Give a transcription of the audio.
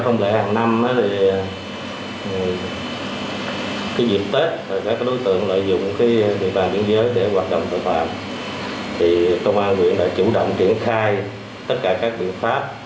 năm đó thì cái dịp tết rồi các đối tượng lợi dụng cái địa bàn biên giới để hoạt động tội phạm thì công an quyện đã chủ động triển khai tất cả các biện pháp